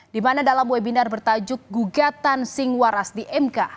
di mana dalam webinar bertajuk gugatan singwaras di mk